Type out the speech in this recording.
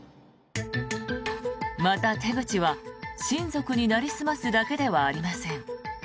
また、手口は親族になりすますだけではありません。